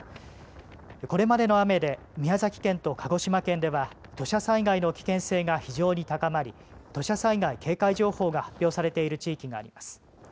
これまでの雨で宮崎県と鹿児島県では土砂災害の危険性が非常に高まり土砂災害警戒情報が発表されている地域があります。